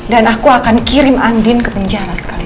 dan aku akan kirim andin ke penjara sekali lagi